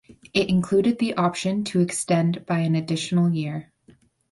It included the option to extend by an additional year.